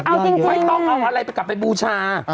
ไม่ต้องเอาอะไรไปกลับไปบูชา